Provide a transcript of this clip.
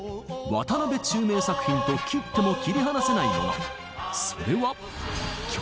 渡辺宙明作品と切っても切り離せないもの。